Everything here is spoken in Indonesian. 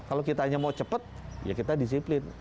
kalau kita hanya mau cepat ya kita disiplin